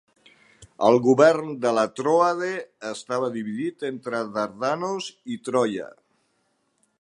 El govern de la Tròade estava dividit entre Dardanos i Troia.